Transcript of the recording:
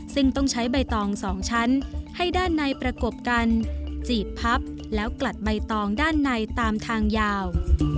ซึ่งต้องใช้ใบตอง๒ชั้นให้ด้านในประกบกันจีบพับแล้วกลัดใบตองด้านในตามทางยาว